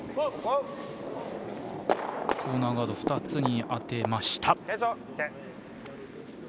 ２つに当てました。